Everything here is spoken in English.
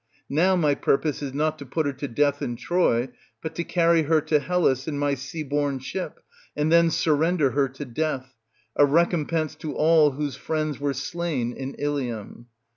Now my purpose is not to put her to death in Troy, but to carry . her to Hellas in my sea borne ship, and then surrender her to death, a recompense to all whose friends were slain in Ilium.